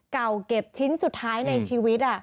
เก่าเก็บชิ้นสุดท้ายในชีวิต